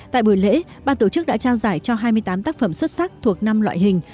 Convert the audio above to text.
tại buổi lễ ban tổ chức đã trao giải cho hai mươi tám tác phẩm xuất sắc thuộc năm loại hình